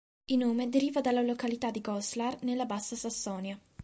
Il nome deriva dalla località di Goslar, nella Bassa Sassonia.